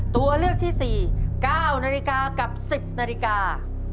ตัวเลือกที่๔๙นาฬิกากับ๑๐นาฬิกา